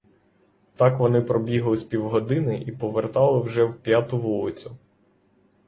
Так вони пробігли з півгодини і повертали вже в п'яту вулицю.